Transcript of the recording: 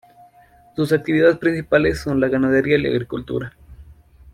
Sus actividades principales son la ganadería y la agricultura.